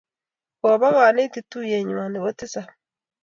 Koba kanetik tuyeng'wa nebo tisap